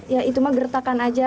ya itu mah gertakan aja